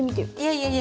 いやいや。